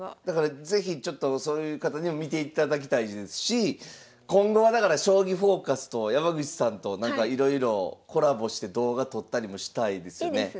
だから是非ちょっとそういう方にも見ていただきたいですし今後はだから「将棋フォーカス」と山口さんといろいろコラボして動画撮ったりもしたいですよね。